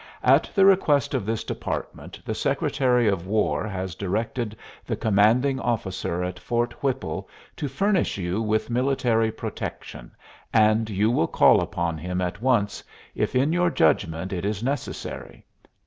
At the request of this department, the Secretary of War has directed the commanding officer at Fort Whipple to furnish you with military protection, and you will call upon him at once, if in your judgment it is necessary.